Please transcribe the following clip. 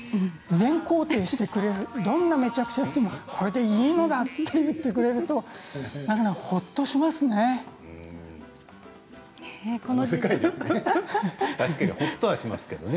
全肯定してくれるどんなめちゃくちゃをやってもこれでいいのだと言ってくれるとほっとしますね。